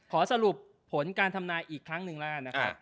ขอสรุปผลการทำนายอีกครั้งหนึ่งแล้วกันนะครับ